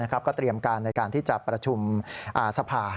ก็เตรียมการในการที่จะประชุมสภา